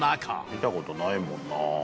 「見た事ないもんな」